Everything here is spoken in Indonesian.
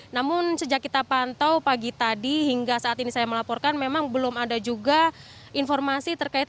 namun sejak kita pantau pagi tadi hingga saat ini saya melaporkan memang belum ada juga informasi terkait